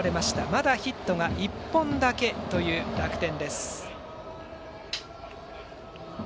まだヒットが１本だけという楽天。